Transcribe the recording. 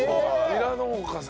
ニラ農家さん。